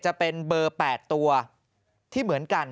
จะเป็นเบอร์๘ตัวที่เหมือนกัน